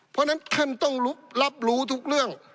เพราะฉะนั้นท่านต้องรับรู้ทุกเรื่อง